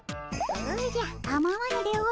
おじゃかまわぬでおじゃる。